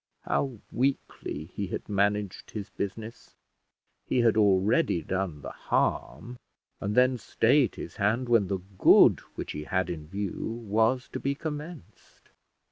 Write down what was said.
How weakly he had managed his business! he had already done the harm, and then stayed his hand when the good which he had in view was to be commenced.